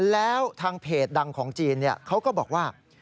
แล้วทางเพจดังของจีนเขาก็บอกว่า